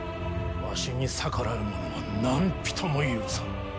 わしに逆らう者は何人も許さぬ。